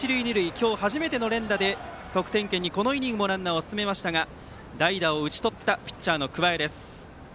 今日初めての連打で得点圏に、このイニングもランナーを進めましたが代打打ち取ったピッチャーの桑江。